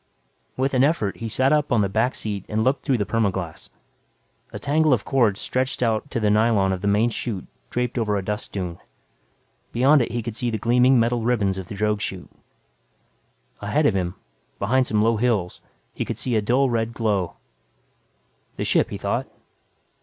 With an effort he sat up on the seat back and looked through the perma glas. A tangle of cords stretched out to the nylon of the main chute draped over a dust dune. Beyond it he could see the gleaming metal ribbons of the drogue chute. Ahead of him, behind some low hills, he could see a dull red glow. The ship, he thought.